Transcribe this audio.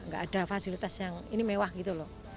gak ada fasilitas yang ini mewah gitu loh